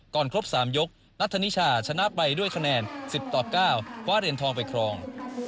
ครบ๓ยกนัทธนิชาชนะไปด้วยคะแนน๑๐ต่อ๙คว้าเหรียญทองไปครอง